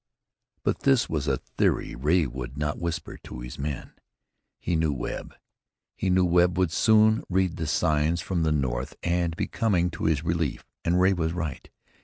But this was a theory Ray would not whisper to his men. He knew Webb. He knew Webb would soon read the signs from the north and be coming to his relief, and Ray was right.